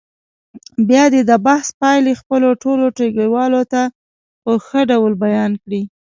بیا دې د بحث پایلې خپلو ټولو ټولګیوالو ته په ښه ډول بیان کړي.